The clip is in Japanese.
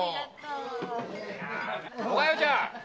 ・おかよちゃん！